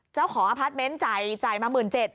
เจ้าขออพาร์ทเมนต์จ่ายจ่ายมา๑๗๐๐๐บาท